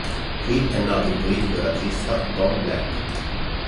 Qui è nato il politico razzista Don Black.